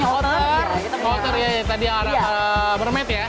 otter ya tadi yang arah mermaid ya